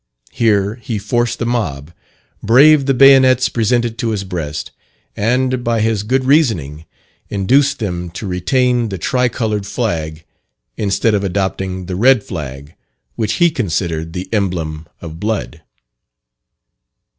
Here he forced the mob, braved the bayonets presented to his breast, and, by his good reasoning, induced them to retain the tri coloured flag, instead of adopting the red flag, which he considered the emblem of blood.